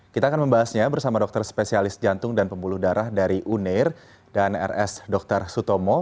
kita akan membahasnya bersama dokter spesialis jantung dan pembuluh darah dari uner dan rs dr sutomo